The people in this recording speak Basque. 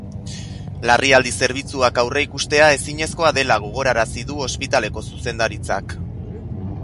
Larrialdi zerbitzuak aurreikustea ezinezkoa dela gogorarazi du ospitaleko zuzendaritzak.